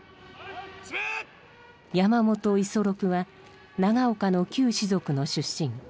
山本五十六は長岡の旧士族の出身。